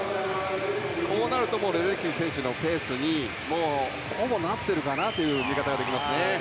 こうなるとレデッキー選手のペースにほぼなっているかなという見方ができますね。